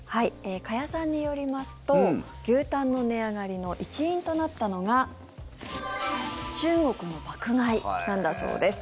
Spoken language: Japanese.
加谷さんによりますと牛タンの値上がりの一因となったのが中国の爆買いなんだそうです。